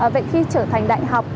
vậy khi trở thành đại học